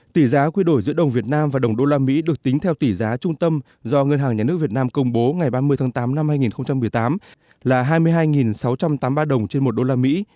tỷ giá quy đổi giữa đồng việt nam và đồng đô la mỹ được tính theo tỷ giá trung tâm do ngân hàng nhà nước việt nam công bố ngày ba mươi tháng tám năm hai nghìn một mươi tám là hai mươi hai sáu trăm tám mươi ba đồng trên một đô la mỹ